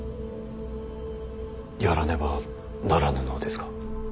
やらねばならぬのですか。